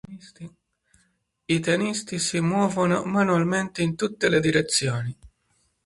I tennisti si muovono manualmente in tutte le direzioni.